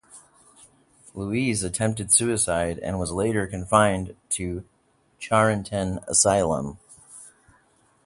Louise attempted suicide and was later confined to Charenton asylum.